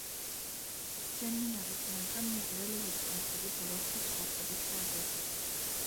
Ջեննին առաջին անգամ միավորել է երկնաքերի բոլոր չորս պարտադիր տարրերը։